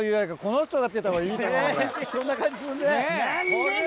そんな感じするね。